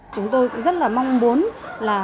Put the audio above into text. chúng tôi cũng rất là mong muốn là